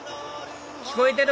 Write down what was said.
聞こえてる？